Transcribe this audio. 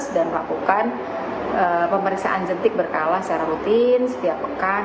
dan melakukan pemeriksaan jentik berkala secara rutin setiap pekan